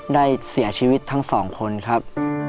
ได้เสียชีวิตทั้งสองคนครับ